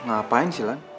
ngapain sih lan